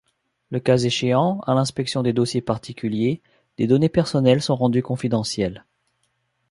Le cas échéant, à l'inspection de dossiers particuliers, des données personnelles sont rendues confidentielles.